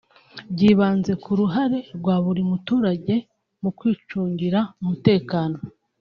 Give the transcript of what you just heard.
byibanze ku ruhare rwa buri muturage mu kwicungira umutekano